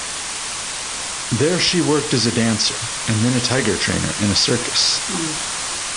There she worked as a dancer and then a tiger-trainer in a circus.